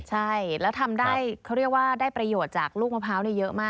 ใช่แล้วทำได้เขาเรียกว่าได้ประโยชน์จากลูกมะพร้าวเยอะมาก